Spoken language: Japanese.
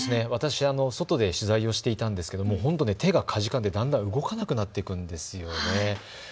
私は外で取材をしていたんですけどもほんとに手がかじかんでだんだん動かなくなっていくんですよね。